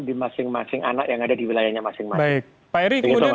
di masing masing anak yang ada di wilayahnya masing masing